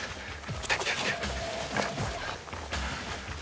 来た来た来た。